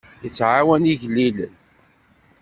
Yettɛawan igellilen.